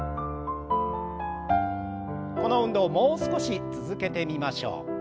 この運動をもう少し続けてみましょう。